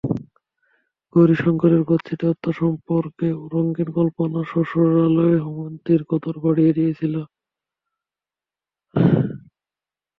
গৌরীশঙ্করের গচ্ছিত অর্থ সম্পর্কে রঙিন কল্পনা শ্বশুরালয়ে হৈমন্তীর কদর বাড়িয়ে দিয়েছিল।